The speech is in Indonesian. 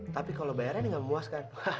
tapi kalau bayarannya gak memuaskan